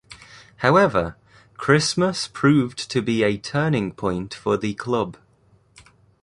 However, Christmas proved to be a turning point for the club.